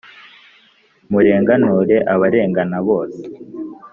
, murenganure abarengana, bose